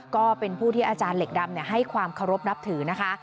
ก็เป็นผู้ที่อาจารย์เหล็กดำให้ความเคารพนับถือนะคะ